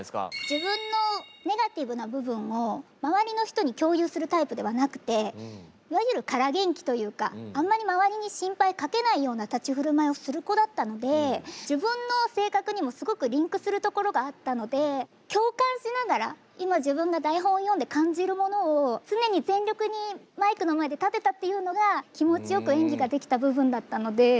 自分のネガティブな部分を周りの人に共有するタイプではなくていわゆる空元気というかあんまり周りに心配かけないような立ち居振る舞いをする子だったので自分の性格にもすごくリンクするところがあったので共感しながら今自分が台本を読んで感じるものを常に全力にマイクの前で立てたっていうのが気持ちよく演技ができた部分だったので。